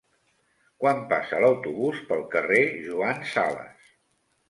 Quan passa l'autobús pel carrer Joan Sales?